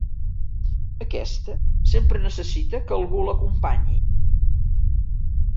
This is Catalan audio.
Aquesta sempre necessita que algú l'acompanyi.